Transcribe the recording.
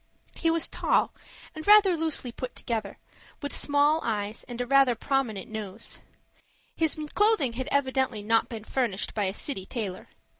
He was tall, and rather loosely put together, with small eyes and rather a prominent nose. His clothing had evidently not been furnished by a city tailor.